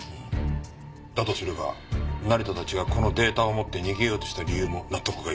だとすれば成田たちがこのデータを持って逃げようとした理由も納得がいく。